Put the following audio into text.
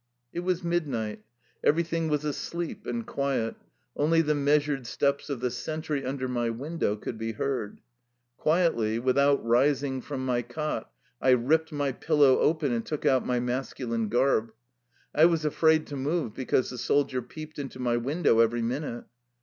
It was midnight. Everything was asleep and quiet, only the measured steps of the sentry un der my window could be heard. Quietly, with out rising from my cot, I ripped my pillow open and took out my masculine garb. I was afraid to move, because the soldier peeped into my win dow every minute.